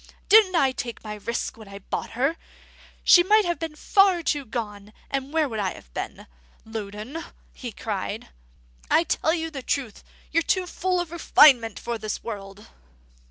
Didn't I take my risk when I bought her? She might have been too far gone; and where would I have been? Loudon," he cried, "I tell you the truth: you're too full of refinement for this world!"